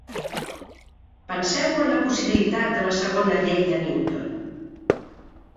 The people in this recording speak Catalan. Penseu en la possibilitat de la segona llei de Newton.